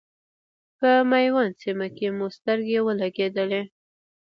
په میوند سیمه کې مو سترګې ولګېدلې.